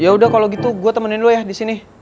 yaudah kalau gitu gue temenin lo ya di sini